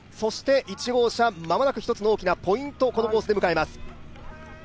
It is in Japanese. １号車、間もなく一つの大きなポイントをこのコースで迎えます。